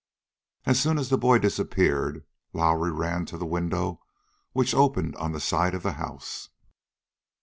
As soon as the boy disappeared, Lowrie ran to the window which opened on the side of the house.